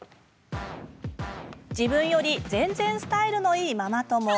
自分より全然スタイルのいいママ友